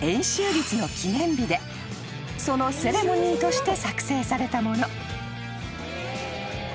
［そのセレモニーとして作成されたもの］